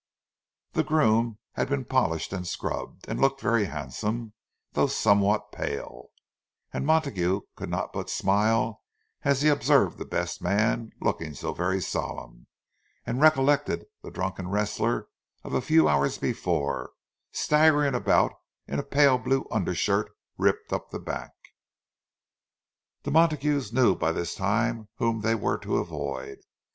The groom had been polished and scrubbed, and looked very handsome, though somewhat pale; and Montague could not but smile as he observed the best man, looking so very solemn, and recollected the drunken wrestler of a few hours before, staggering about in a pale blue undershirt ripped up the back. The Montagues knew by this time whom they were to avoid.